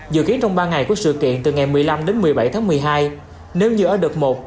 dự kiến trong ba ngày của sự kiện từ ngày một mươi năm đến một mươi bảy tháng một mươi hai nếu như ở đợt một